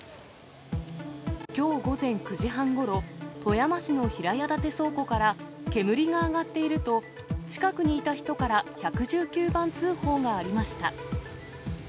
きょう午前９時半ごろ、富山市の平屋建て倉庫から煙が上がっていると、近くにいた人から１１９番通報がありました。